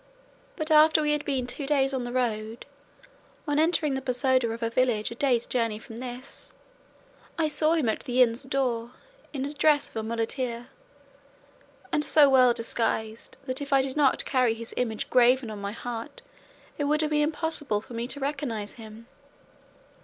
But after we had been two days on the road, on entering the posada of a village a day's journey from this, I saw him at the inn door in the dress of a muleteer, and so well disguised, that if I did not carry his image graven on my heart it would have been impossible for me to recognise him.